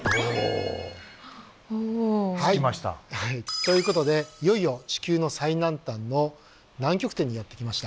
ということでいよいよ地球の最南端の南極点にやって来ました。